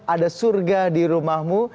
ada surga di rumahmu